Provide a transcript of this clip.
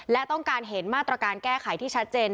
และต้องการเห็นมาตรการแก้ไขที่ชัดเจน